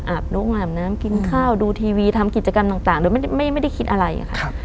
บนกอาบน้ำกินข้าวดูทีวีทำกิจกรรมต่างโดยไม่ได้คิดอะไรค่ะ